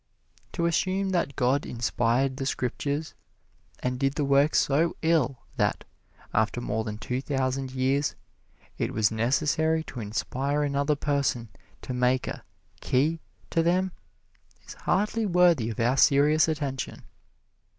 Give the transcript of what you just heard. To assume that God inspired the Scriptures, and did the work so ill that, after more than two thousand years, it was necessary to inspire another person to make a "Key" to them, is hardly worthy of our serious attention.